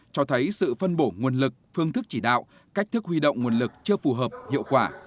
cho thấy sự phân bổ nguồn lực phương thức chỉ đạo cách thức huy động nguồn lực chưa phù hợp hiệu quả